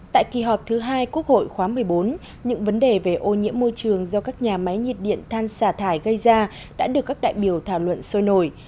tại kỳ họp thứ hai quốc hội khóa một mươi bốn những vấn đề về ô nhiễm môi trường do các nhà máy nhiệt điện than xả thải gây ra đã được các đại biểu thảo luận sôi nổi